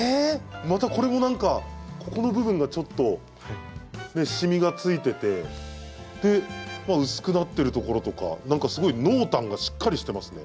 またこれも何かここの部分がちょっとでまあ薄くなってるところとか何かすごい濃淡がしっかりしてますね。